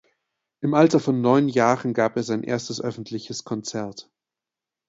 Im Alter von neun Jahren gab er sein erstes öffentliches Konzert.